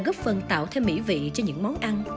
góp phần tạo thêm mỹ vị cho những món ăn